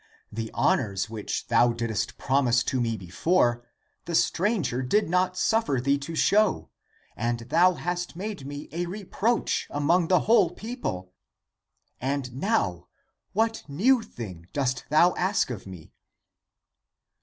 The honors which thou didst promise to me before, the stranger did not suffer thee to show, and thou hast made me a reproach among the whole people. And now — what new thing dost thou ask of me?